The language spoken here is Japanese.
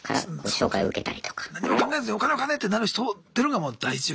何も考えずにお金お金！ってなる人ってのがもう第一。